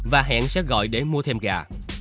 và hẹn sẽ gọi để mua thêm gà